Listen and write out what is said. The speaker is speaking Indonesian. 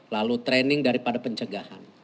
lalu training daripada pencegahan